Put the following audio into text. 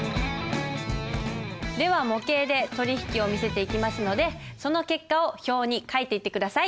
では模型で取り引きを見せていきますのでその結果を表に書いていって下さい。